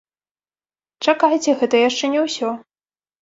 Чакайце, гэта яшчэ не ўсё.